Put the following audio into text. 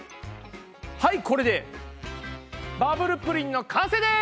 はいこれでバブルプリンの完成です！